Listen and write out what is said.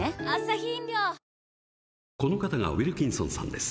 この方がウィルキンソンさんです。